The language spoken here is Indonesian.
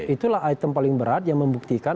itulah item paling berat yang membuktikan